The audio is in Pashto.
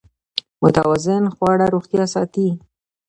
متوازن خواړه روغتیا ساتي.